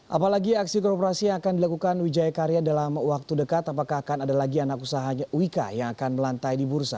apalagi aksi korporasi yang akan dilakukan wijaya karya dalam waktu dekat apakah akan ada lagi anak usaha wika yang akan melantai di bursa